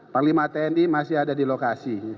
panglima tni masih ada di lokasi